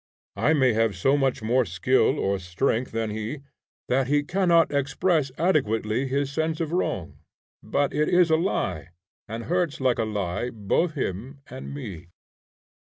I may have so much more skill or strength than he that he cannot express adequately his sense of wrong, but it is a lie, and hurts like a lie both him and me.